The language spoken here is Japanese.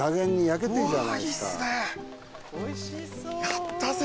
やったぜ。